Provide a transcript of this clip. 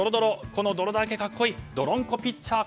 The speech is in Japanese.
この泥だらけ格好いい泥んこピッチャー